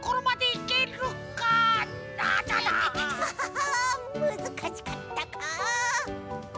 アハハむずかしかったか。